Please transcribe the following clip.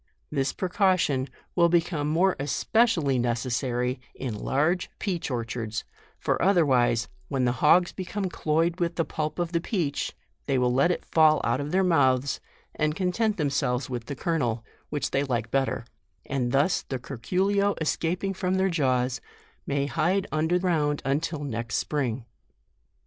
This precaution will be more especially necessary in large peach or chards, for otherwise, when the hogs become cloyed with the pulp of the peach, they will let it fall out of their mouths, and content them selves with the kernel, which they like bet ter ; and thus the curculio escaping from their jaws, may hide under ground until next spring.